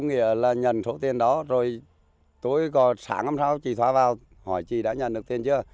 nghĩa là nhận số tiền đó rồi tôi có sáng năm sau chị thỏa vào hỏi chị đã nhận được tiền chưa